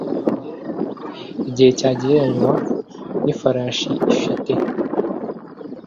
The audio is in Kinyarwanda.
igihe cyagereranywa n ifarashi ifite